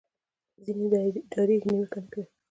ځینې ډارېږي نیوکه نه کوي